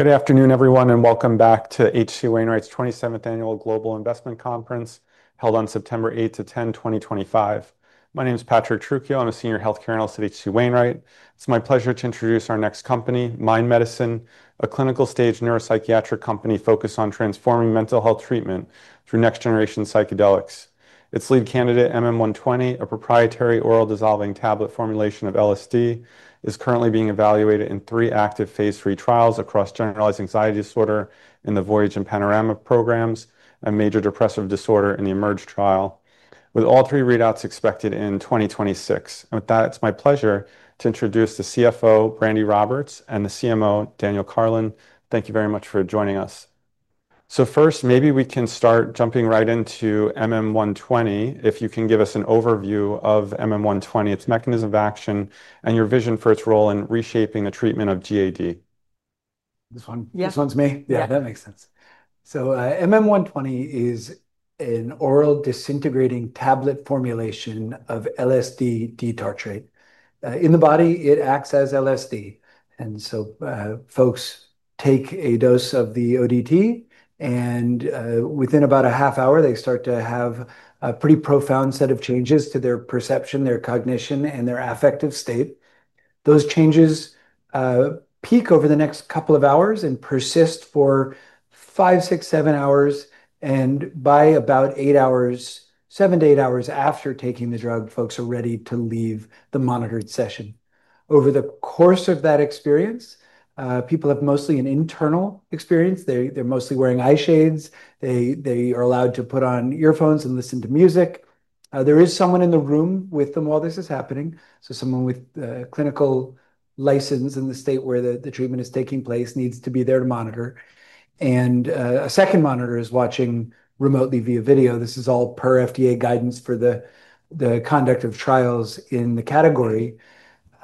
Good afternoon, everyone, and welcome back to HC Wainwright's 27th annual Global Investment Conference held on September 8 to 10, 2025. My name is Patrick Truchio. I'm a Senior Healthcare Analyst at HC Wainwright. It's my pleasure to introduce our next company, Mind Medicine (MindMed) Inc., a clinical-stage neuropsychiatric company focused on transforming mental health treatment through next-generation psychedelics. Its lead candidate, MM120, a proprietary oral disintegrating tablet formulation of LSD tartrate, is currently being evaluated in three active phase 3 trials across generalized anxiety disorder in the Voyage and Panorama programs and major depressive disorder in the EMERGE trial, with all three readouts expected in 2026. It's my pleasure to introduce the Chief Financial Officer, Brandi Roberts, and the Chief Medical Officer, Daniel R. Karlin. Thank you very much for joining us. First, maybe we can start jumping right into MM120. If you can give us an overview of MM120, its mechanism of action, and your vision for its role in reshaping the treatment of GAD. This one's me. Yeah, that makes sense. MM120 is an oral disintegrating tablet formulation of LSD tartrate. In the body, it acts as LSD. Folks take a dose of the ODT, and within about a half hour, they start to have a pretty profound set of changes to their perception, their cognition, and their affective state. Those changes peak over the next couple of hours and persist for five, six, seven hours. By about seven to eight hours after taking the drug, folks are ready to leave the monitored session. Over the course of that experience, people have mostly an internal experience. They're mostly wearing eye shades. They are allowed to put on earphones and listen to music. There is someone in the room with them while this is happening. Someone with a clinical license in the state where the treatment is taking place needs to be there to monitor, and a second monitor is watching remotely via video. This is all per FDA guidance for the conduct of trials in the category.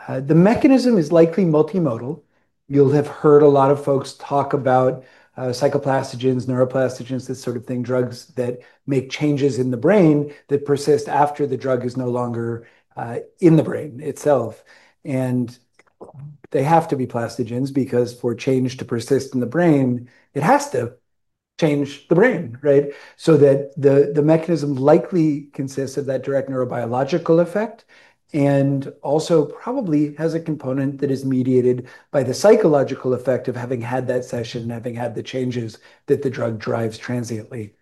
The mechanism is likely multimodal. You'll have heard a lot of folks talk about psychoplastigens, neuroplastigens, this sort of thing, drugs that make changes in the brain that persist after the drug is no longer in the brain itself. They have to be plastigens because for change to persist in the brain, it has to change the brain, right? The mechanism likely consists of that direct neurobiological effect and also probably has a component that is mediated by the psychological effect of having had that session and having had the changes that the drug drives transiently.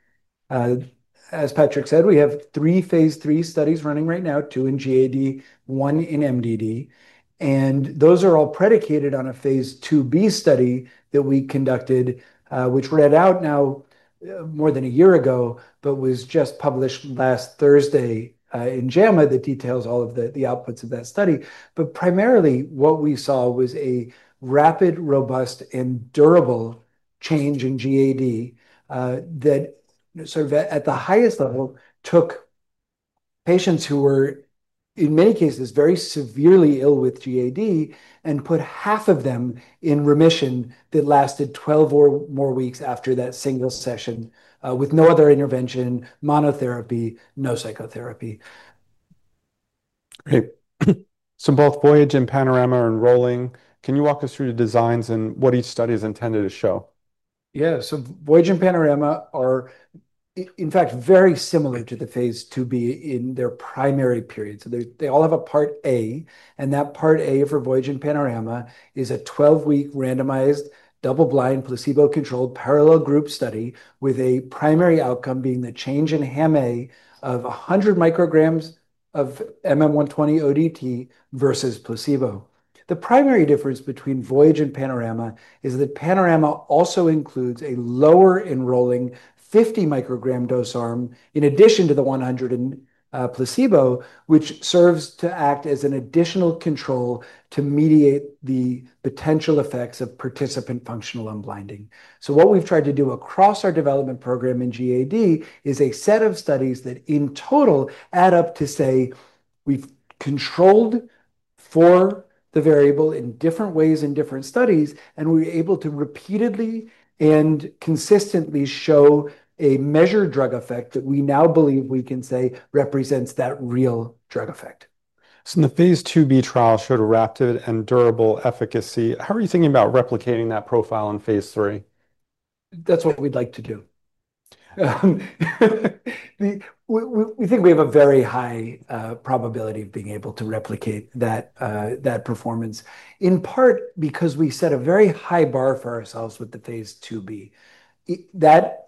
As Patrick said, we have three phase 3 studies running right now, two in GAD, one in MDD. Those are all predicated on a phase 2b study that we conducted, which read out now more than a year ago, but was just published last Thursday in JAMA that details all of the outputs of that study. Primarily, what we saw was a rapid, robust, and durable change in GAD that at the highest level took patients who were, in many cases, very severely ill with GAD and put half of them in remission that lasted 12 or more weeks after that single session, with no other intervention, monotherapy, no psychotherapy. Great. Both Voyage and Panorama are enrolling. Can you walk us through the designs and what each study is intended to show? Yeah, so Voyage and Panorama are, in fact, very similar to the phase 2b in their primary period. They all have a part A, and that part A for Voyage and Panorama is a 12-week randomized, double-blind, placebo-controlled parallel group study with a primary outcome being the change in HAM-A of 100 micrograms of MM120 oral disintegrating tablet versus placebo. The primary difference between Voyage and Panorama is that Panorama also includes a lower enrolling 50 microgram dose arm in addition to the 100 and placebo, which serves to act as an additional control to mediate the potential effects of participant functional unblinding. What we've tried to do across our development program in generalized anxiety disorder is a set of studies that in total add up to say we've controlled for the variable in different ways in different studies, and we're able to repeatedly and consistently show a measured drug effect that we now believe we can say represents that real drug effect. In the phase 2b study showed a rapid and durable efficacy. How are you thinking about replicating that profile in phase 3? That's what we'd like to do. We think we have a very high probability of being able to replicate that performance, in part because we set a very high bar for ourselves with the phase 2b. That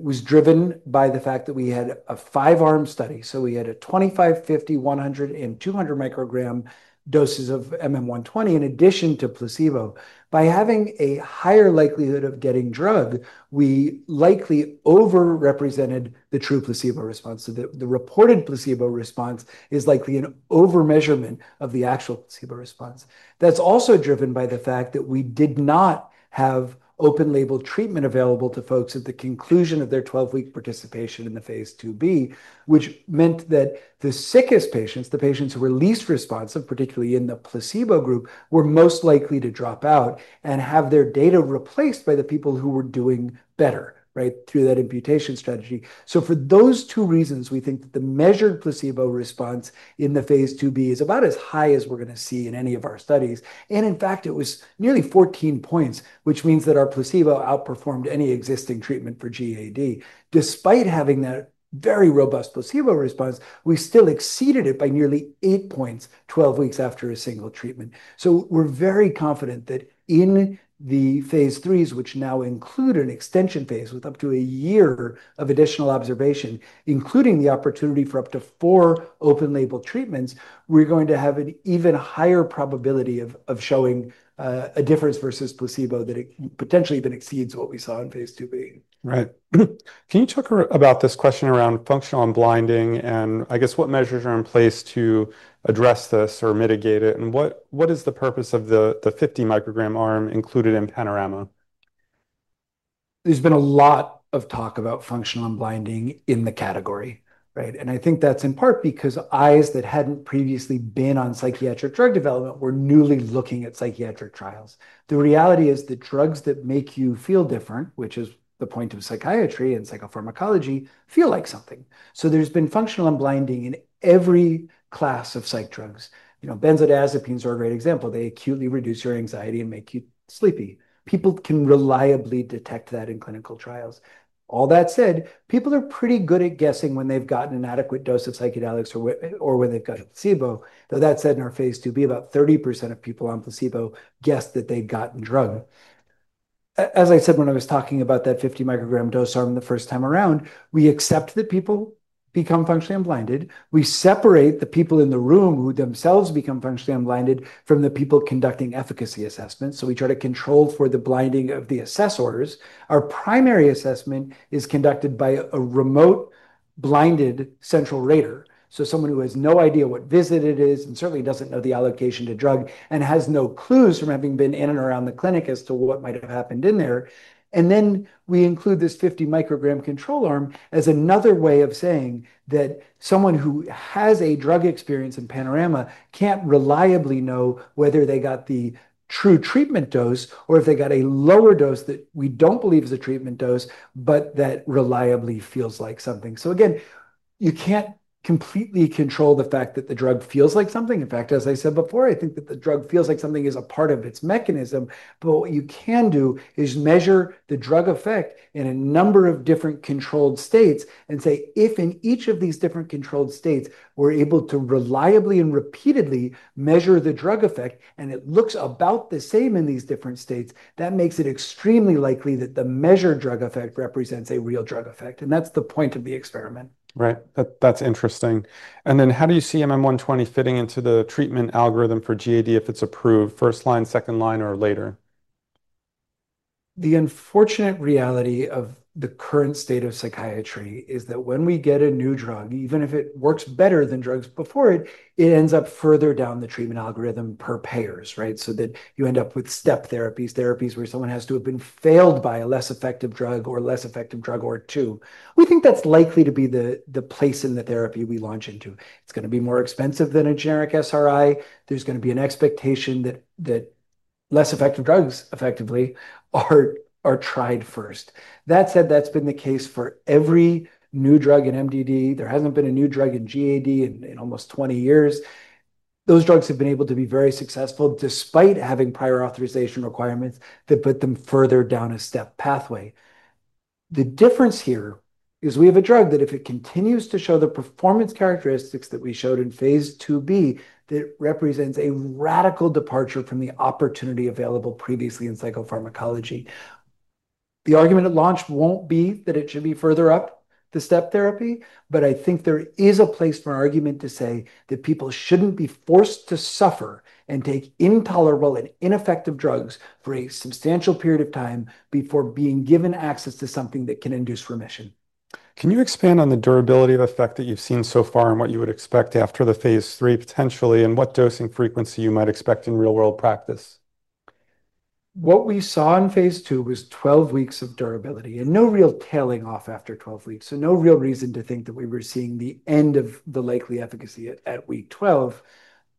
was driven by the fact that we had a five-arm study. We had 25, 50, 100, and 200 microgram doses of MM120 in addition to placebo. By having a higher likelihood of getting drug, we likely overrepresented the true placebo response. The reported placebo response is likely an overmeasurement of the actual placebo response. That's also driven by the fact that we did not have open-label treatment available to folks at the conclusion of their 12-week participation in the phase 2b, which meant that the sickest patients, the patients who were least responsive, particularly in the placebo group, were most likely to drop out and have their data replaced by the people who were doing better, right, through that imputation strategy. For those two reasons, we think that the measured placebo response in the phase 2b is about as high as we're going to see in any of our studies. In fact, it was nearly 14 points, which means that our placebo outperformed any existing treatment for generalized anxiety disorder (GAD). Despite having that very robust placebo response, we still exceeded it by nearly eight points 12 weeks after a single treatment. We're very confident that in the phase 3s, which now include an extension phase with up to a year of additional observation, including the opportunity for up to four open-label treatments, we're going to have an even higher probability of showing a difference versus placebo that potentially even exceeds what we saw in phase 2b. Right. Can you talk about this question around functional unblinding, and I guess what measures are in place to address this or mitigate it? What is the purpose of the 50 microgram arm included in Panorama? There's been a lot of talk about functional unblinding in the category, right? I think that's in part because eyes that hadn't previously been on psychiatric drug development were newly looking at psychiatric trials. The reality is that drugs that make you feel different, which is the point of psychiatry and psychopharmacology, feel like something. There's been functional unblinding in every class of psych drugs. You know, benzodiazepines are a great example. They acutely reduce your anxiety and make you sleepy. People can reliably detect that in clinical trials. All that said, people are pretty good at guessing when they've gotten an adequate dose of psychedelics or when they've gotten placebo. Though that said, in our phase 2b, about 30% of people on placebo guess that they'd gotten drug. As I said when I was talking about that 50 microgram dose arm the first time around, we accept that people become functionally unblinded. We separate the people in the room who themselves become functionally unblinded from the people conducting efficacy assessments. We try to control for the blinding of the assessors. Our primary assessment is conducted by a remote blinded central rater, someone who has no idea what visit it is and certainly doesn't know the allocation to drug and has no clues from having been in and around the clinic as to what might have happened in there. We include this 50 microgram control arm as another way of saying that someone who has a drug experience in Panorama can't reliably know whether they got the true treatment dose or if they got a lower dose that we don't believe is a treatment dose, but that reliably feels like something. You can't completely control the fact that the drug feels like something. In fact, as I said before, I think that the drug feels like something is a part of its mechanism. What you can do is measure the drug effect in a number of different controlled states and say if in each of these different controlled states we're able to reliably and repeatedly measure the drug effect and it looks about the same in these different states, that makes it extremely likely that the measured drug effect represents a real drug effect. That's the point of the experiment. Right. That's interesting. How do you see MM120 fitting into the treatment algorithm for GAD if it's approved first line, second line, or later? The unfortunate reality of the current state of psychiatry is that when we get a new drug, even if it works better than drugs before it, it ends up further down the treatment algorithm per payers, right? You end up with step therapies, therapies where someone has to have been failed by a less effective drug or less effective drug or two. We think that's likely to be the place in the therapy we launch into. It's going to be more expensive than a generic SRI. There's going to be an expectation that less effective drugs effectively are tried first. That said, that's been the case for every new drug in MDD. There hasn't been a new drug in GAD in almost 20 years. Those drugs have been able to be very successful despite having prior authorization requirements that put them further down a step pathway. The difference here is we have a drug that if it continues to show the performance characteristics that we showed in phase 2b, that represents a radical departure from the opportunity available previously in psychopharmacology. The argument at launch won't be that it should be further up the step therapy, but I think there is a place for an argument to say that people shouldn't be forced to suffer and take intolerable and ineffective drugs for a substantial period of time before being given access to something that can induce remission. Can you expand on the durability of effect that you've seen so far and what you would expect after the phase 3 potentially, and what dosing frequency you might expect in real-world practice? What we saw in phase 2 was 12 weeks of durability and no real tailing off after 12 weeks. There was no real reason to think that we were seeing the end of the likely efficacy at week 12.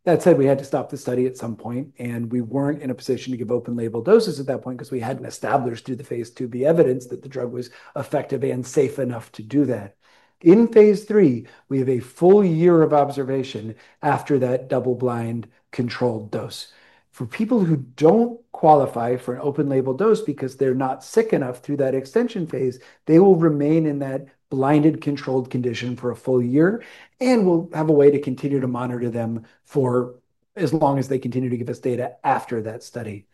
That said, we had to stop the study at some point, and we weren't in a position to give open-label doses at that point because we hadn't established through the phase 2b evidence that the drug was effective and safe enough to do that. In phase 3, we have a full year of observation after that double-blind controlled dose. For people who don't qualify for an open-label dose because they're not sick enough through that extension phase, they will remain in that blinded controlled condition for a full year and will have a way to continue to monitor them for as long as they continue to give us data after that study.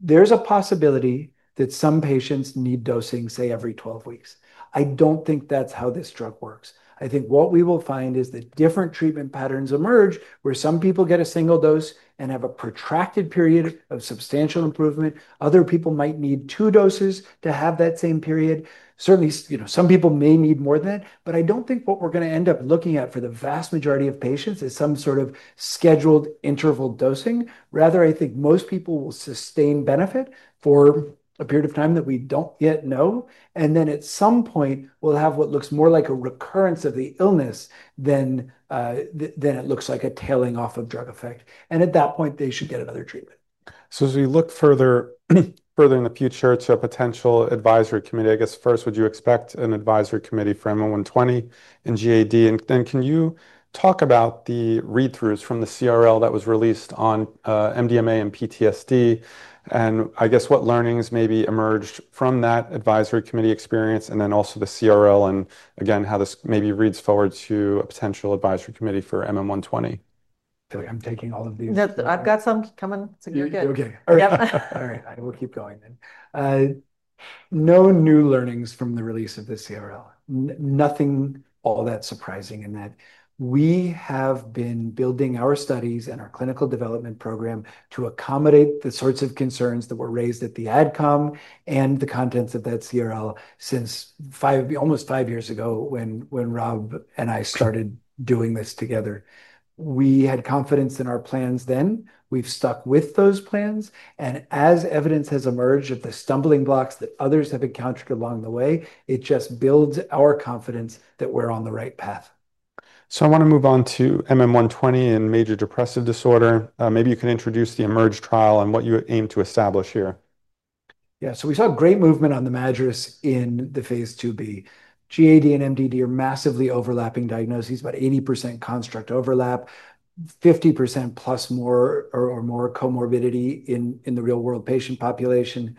There's a possibility that some patients need dosing, say, every 12 weeks. I don't think that's how this drug works. I think what we will find is that different treatment patterns emerge where some people get a single dose and have a protracted period of substantial improvement. Other people might need two doses to have that same period. Certainly, some people may need more than that, but I don't think what we're going to end up looking at for the vast majority of patients is some sort of scheduled interval dosing. Rather, I think most people will sustain benefit for a period of time that we don't yet know. At some point, we'll have what looks more like a recurrence of the illness than it looks like a tailing off of drug effect. At that point, they should get another treatment. As we look further in the future to a potential advisory committee, I guess first, would you expect an advisory committee for MM120 in GAD? Can you talk about the read-throughs from the CRL that was released on MDMA and PTSD? I guess what learnings maybe emerged from that advisory committee experience and then also the CRL, and again how this maybe reads forward to a potential advisory committee for MM120? I feel like I'm taking all of these. No, I've got some coming, so you're good. All right. We'll keep going then. No new learnings from the release of the CRL. Nothing all that surprising in that we have been building our studies and our clinical development program to accommodate the sorts of concerns that were raised at the ADCOM and the contents of that CRL since almost five years ago when Rob and I started doing this together. We had confidence in our plans then. We've stuck with those plans. As evidence has emerged at the stumbling blocks that others have encountered along the way, it just builds our confidence that we're on the right path. I want to move on to MM120 and major depressive disorder. Maybe you can introduce the EMERGE trial and what you aim to establish here. Yeah, we saw great movement on the mattress in the phase 2b. GAD and MDD are massively overlapping diagnoses, about 80% construct overlap, 50% or more comorbidity in the real-world patient population.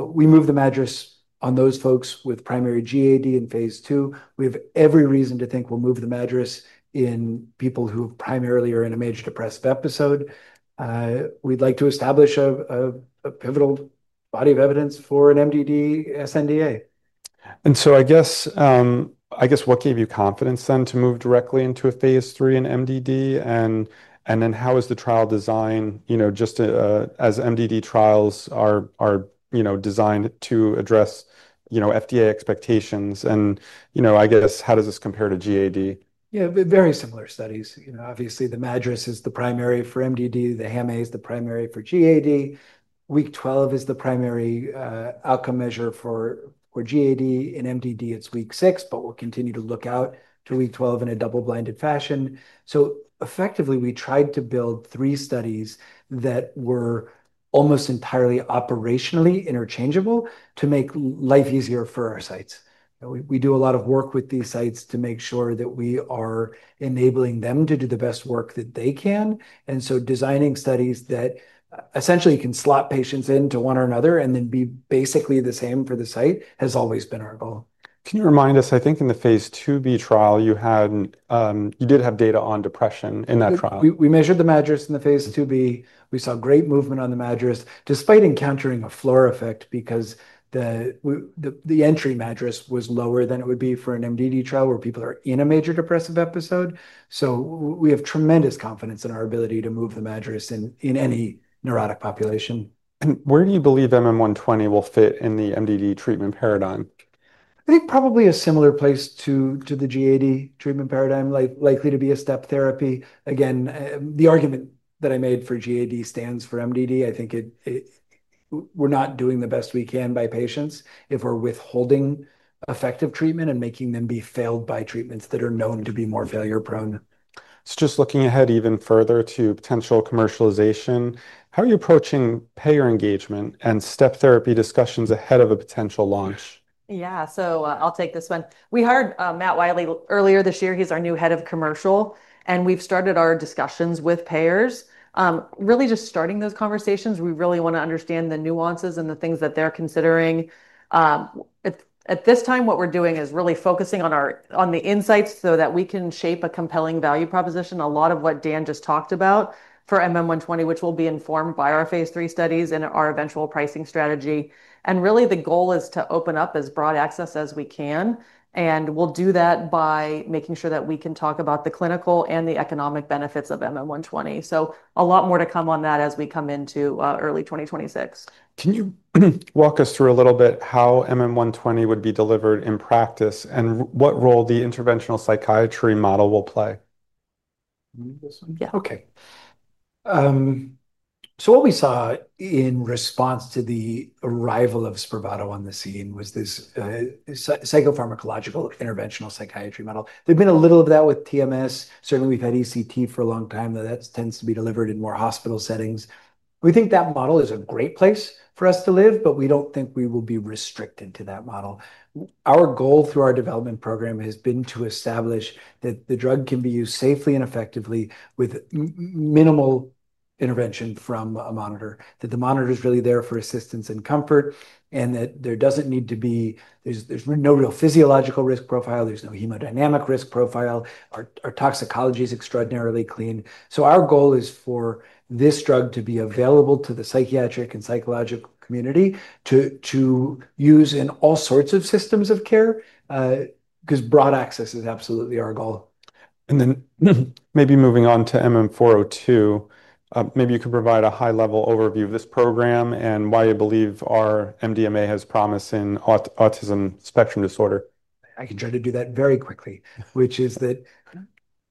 We move the mattress on those folks with primary GAD in phase 2. We have every reason to think we'll move the mattress in people who primarily are in a major depressive episode. We'd like to establish a pivotal body of evidence for an MDD SNDA. What gave you confidence to move directly into a phase 3 in MDD? How is the trial designed, just as MDD trials are designed to address FDA expectations? How does this compare to GAD? Yeah, very similar studies. Obviously, the MADRS is the primary for MDD. The HAM-A is the primary for GAD. Week 12 is the primary outcome measure for GAD. In MDD, it's week six, but we'll continue to look out to week 12 in a double-blinded fashion. We tried to build three studies that were almost entirely operationally interchangeable to make life easier for our sites. We do a lot of work with these sites to make sure that we are enabling them to do the best work that they can. Designing studies that essentially can slot patients into one or another and then be basically the same for the site has always been our goal. Can you remind us, I think in the phase 2b trial, you did have data on depression in that trial. We measured the MADRS in the phase 2b. We saw great movement on the MADRS despite encountering a floor effect because the entry MADRS was lower than it would be for an MDD trial where people are in a major depressive episode. We have tremendous confidence in our ability to move the MADRS in any neurotic population. Where do you believe MM120 will fit in the MDD treatment paradigm? I think probably a similar place to the GAD treatment paradigm, likely to be a step therapy. Again, the argument that I made for GAD stands for MDD. I think we're not doing the best we can by patients if we're withholding effective treatment and making them be failed by treatments that are known to be more failure-prone. Looking ahead even further to potential commercialization, how are you approaching payer engagement and step therapy discussions ahead of a potential launch? Yeah, I'll take this one. We hired Matt Wiley earlier this year. He's our new Head of Commercial, and we've started our discussions with payers. Really just starting those conversations, we really want to understand the nuances and the things that they're considering. At this time, what we're doing is really focusing on the insights so that we can shape a compelling value proposition. A lot of what Dan just talked about for MM120, which will be informed by our phase 3 studies and our eventual pricing strategy. The goal is to open up as broad access as we can. We'll do that by making sure that we can talk about the clinical and the economic benefits of MM120. A lot more to come on that as we come into early 2026. Can you walk us through a little bit how MM120 would be delivered in practice, and what role the interventional psychiatry model will play? Yeah. Okay. What we saw in response to the arrival of Spravato on the scene was this psychopharmacological interventional psychiatry model. There'd been a little of that with TMS. Certainly, we've had ECT for a long time, though that tends to be delivered in more hospital settings. We think that model is a great place for us to live, but we don't think we will be restricted to that model. Our goal through our development program has been to establish that the drug can be used safely and effectively with minimal intervention from a monitor, that the monitor is really there for assistance and comfort, and that there doesn't need to be, there's no real physiological risk profile. There's no hemodynamic risk profile. Our toxicology is extraordinarily clean. Our goal is for this drug to be available to the psychiatric and psychological community to use in all sorts of systems of care, because broad access is absolutely our goal. Maybe moving on to MM402, maybe you could provide a high-level overview of this program and why you believe our MDMA has promise in autism spectrum disorder. I can try to do that very quickly, which is that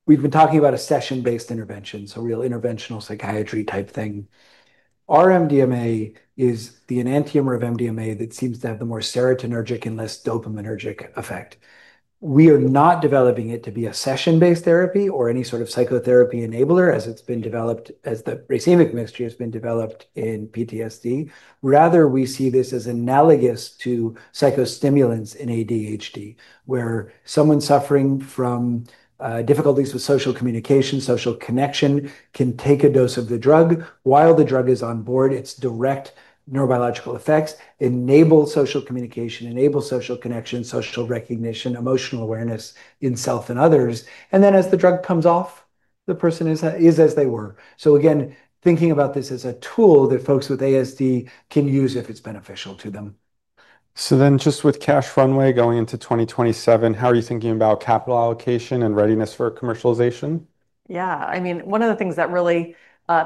we've been talking about a session-based intervention, a real interventional psychiatry type thing. Our R-MDMA is the enantiomer of MDMA that seems to have the more serotonergic and less dopaminergic effect. We are not developing it to be a session-based therapy or any sort of psychotherapy enabler as it's been developed, as the racemic mixture has been developed in PTSD. Rather, we see this as analogous to psychostimulants in ADHD, where someone suffering from difficulties with social communication, social connection, can take a dose of the drug while the drug is on board. Its direct neurobiological effects enable social communication, enable social connection, social recognition, emotional awareness in self and others. As the drug comes off, the person is as they were. Again, thinking about this as a tool that folks with autism spectrum disorder can use if it's beneficial to them. With cash runway going into 2027, how are you thinking about capital allocation and readiness for commercialization? Yeah, I mean, one of the things that really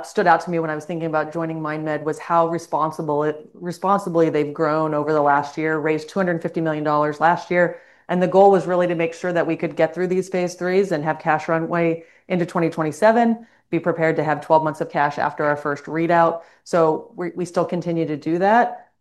stood out to me when I was thinking about joining Mind Medicine (MindMed) Inc. was how responsibly they've grown over the last year, raised $250 million last year. The goal was really to make sure that we could get through these phase 3s and have cash runway into 2027, be prepared to have 12 months of cash after our first readout. We still continue to do that.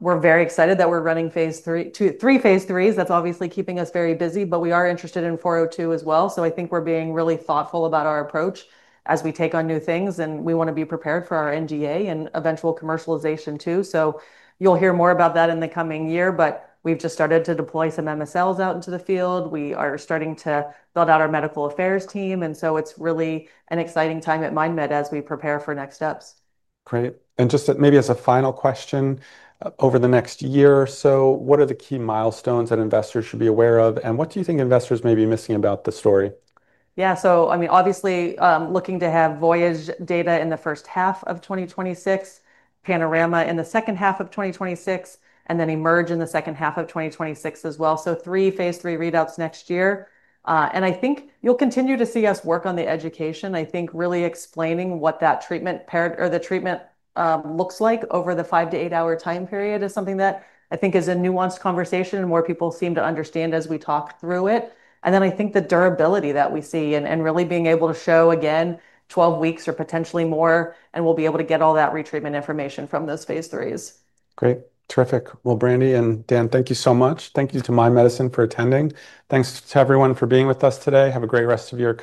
We're very excited that we're running three phase 3s. That's obviously keeping us very busy, but we are interested in MM402 as well. I think we're being really thoughtful about our approach as we take on new things, and we want to be prepared for our NDA and eventual commercialization too. You'll hear more about that in the coming year, but we've just started to deploy some MSLs out into the field. We are starting to build out our Medical Affairs team, and it's really an exciting time at Mind Medicine (MindMed) Inc. as we prepare for next steps. Great. Maybe as a final question, over the next year or so, what are the key milestones that investors should be aware of? What do you think investors may be missing about the story? Yeah, I mean, obviously looking to have Voyage data in the first half of 2026, Panorama in the second half of 2026, and then EMERGE in the second half of 2026 as well. Three phase 3 readouts next year. I think you'll continue to see us work on the education. I think really explaining what that treatment or the treatment looks like over the five to eight-hour time period is something that I think is a nuanced conversation and more people seem to understand as we talk through it. I think the durability that we see and really being able to show again 12 weeks or potentially more, and we'll be able to get all that retreatment information from those phase 3s. Great. Terrific. Brandi and Dan, thank you so much. Thank you to Mind Medicine (MindMed) Inc. for attending. Thanks to everyone for being with us today. Have a great rest of your day.